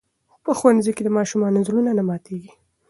په ښوونځي کې د ماشومانو زړونه نه ماتېږي.